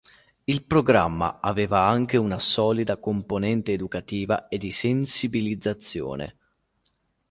Il programma aveva anche una solida componente educativa e di sensibilizzazione.